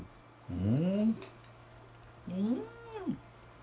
うん！